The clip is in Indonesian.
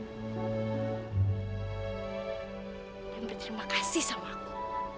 dan berterima kasih sama aku